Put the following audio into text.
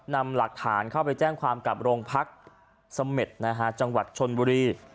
นำหลักฐานเข้าไปแจ้งความกับโรงพักเสม็ดนะฮะจังหวัดชนบุรี